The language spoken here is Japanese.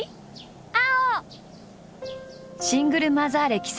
青！